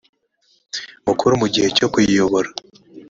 mukuru mu gihe cyo kuyiyobora